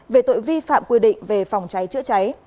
về tội vi phạm quy định về phòng cháy chữa cháy